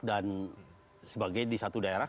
dan sebagainya di satu daerah